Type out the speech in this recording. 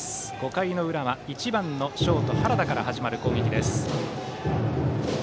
５回の裏は１番ショート、原田から始まる攻撃です。